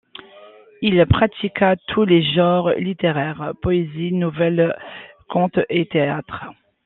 Il pratiqua tous les genres littéraires: poésie, nouvelle, conte et théâtre.